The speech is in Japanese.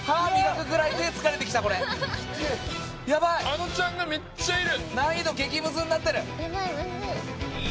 あのちゃんがめっちゃいる！